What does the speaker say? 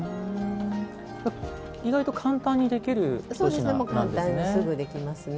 意外と簡単にできるひと品なんですね。